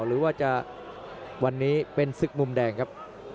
หรือว่าจะวันนี้เป็นศึกมุมแดงครับ